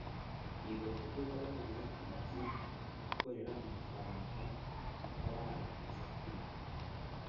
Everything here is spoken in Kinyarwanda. yiga kudoda none amaze gukorera amafaranga atararangiza kwiga,